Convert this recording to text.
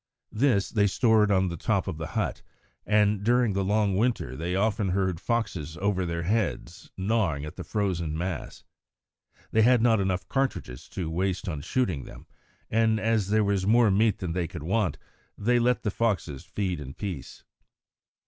This they stored on the top of the hut, and during the long winter night they often heard foxes over their heads gnawing at the frozen mass. They had not enough cartridges to waste on shooting them, and as there was more meat than they would want, they let the foxes feed in peace.